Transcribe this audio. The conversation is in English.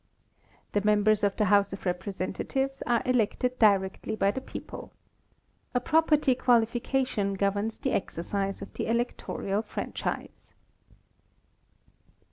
The members of the house of representatives are elected directly by the people. A property qualification governs the exercise of the electoral franchise.